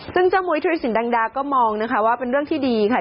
ซึ่งเจ้ามุยธุรสินดังดาก็มองนะคะว่าเป็นเรื่องที่ดีค่ะ